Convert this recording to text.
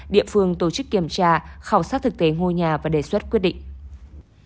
địa phương tổ chức kiểm tra khảo sát thực tế ngôi nhà và đề xuất quyết định